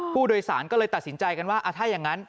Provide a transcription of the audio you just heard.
ผู้โดยสารก็เลยตัดสินใจกันว่าถ้าอย่างนั้น